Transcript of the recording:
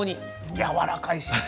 やわらかいし。